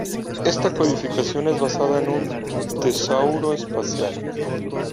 Esta codificación está basada en un tesauro espacial.